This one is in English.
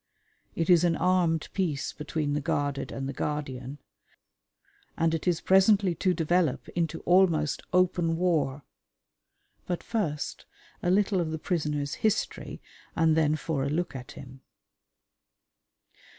It is an armed peace between the guarded and the guardian, and it is presently to develop into almost open war. But first a little of the prisoner's history, and then for a look at him.